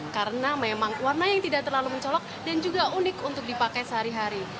karena memang warna yang tidak terlalu mencolok dan juga unik untuk dipakai sehari hari